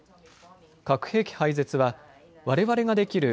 核兵器廃絶はわれわれができる